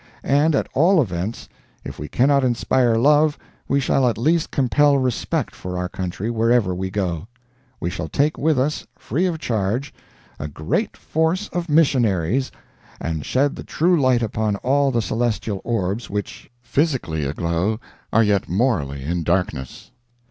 And, at all events, if we cannot inspire love we shall at least compel respect for our country wherever we go. We shall take with us, free of charge, A GREAT FORCE OF MISSIONARIES, and shed the true light upon all the celestial orbs which, physically aglow, are yet morally in darkness.